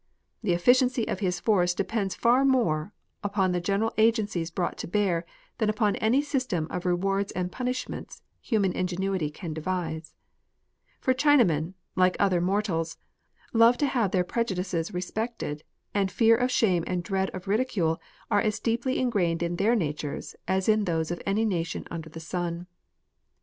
The efficiency of his force depends far more upon the moral agencies brought to bear than upon any system of rewards and punish ments human ingenuity can devise ; for Chinamen, like other mortals, love to have their prejudices respected, and fear of shame and dread of ridicule are as deeply ingrained in their natures as in those of any nation under the sun.